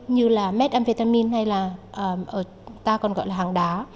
như là metamphetamine hay là ta còn gọi là hàng đá